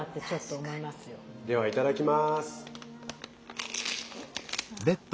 ではいただきます。